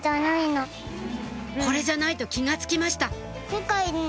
これじゃないと気が付きました